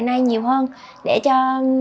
nay nhiều hơn để cho